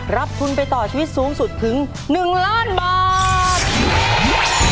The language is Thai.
รับทุนไปต่อชีวิตสูงสุดถึง๑ล้านบาท